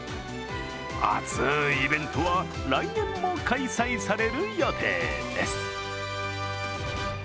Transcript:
熱いイベントは来年も開催される予定です。